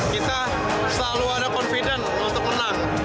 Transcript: kita selalu ada confident untuk menang